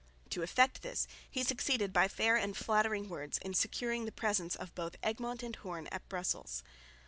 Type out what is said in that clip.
To effect this he succeeded by fair and flattering words in securing the presence of both Egmont and Hoorn at Brussels.